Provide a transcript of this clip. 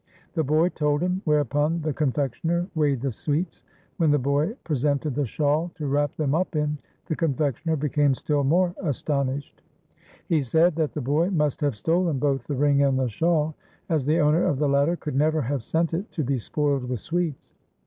The boy told him, whereupon the con fectioner weighed the sweets. When the boy pre sented the shawl to wrap them up in, the confectioner became still more astonished. He said that the boy must have stolen both the ring and the shawl, as the owner of the latter could never have sent it to be spoiled with sweets.